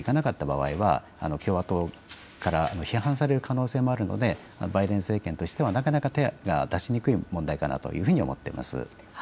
もしうまくいかなかった場合は共和党から批判される可能性もあるのでバイデン政権としてはなかなか手が出しにくい問題かなというふうに思っています。